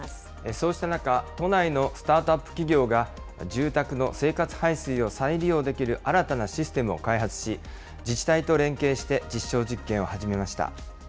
そうした中、都内のスタートアップ企業が、住宅の生活排水を再利用できる新たなシステムを開発し、自治体と連携して実証実験を始めました。